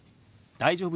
「大丈夫？」。